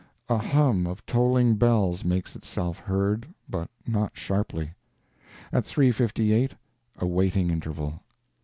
A hum of tolling bells makes itself heard, but not sharply. At three fifty eight a waiting interval.